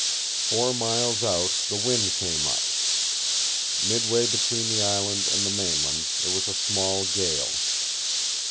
Four miles out, the wind came up; midway between the island and the mainland, it was a small gale.